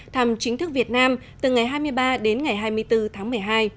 thăm chính thức việt nam từ ngày hai mươi ba đến ngày hai mươi bốn tháng một mươi hai